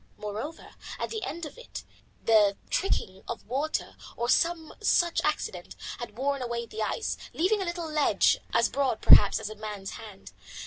Moreover, at the end of it the trickling of water, or some such accident, had worn away the ice, leaving a little ledge as broad, perhaps, as a man's hand.